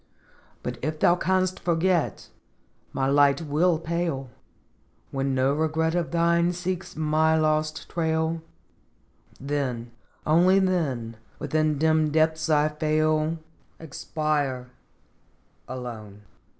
" But if thou canst forget, my light will pale, When no regret of thine seeks my lost trail, Then, only then, within dim depths I fail, Expire, alone